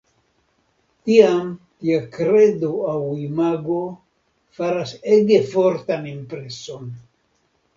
Tiam tia kredo aŭ imago faras ege fortan impreson.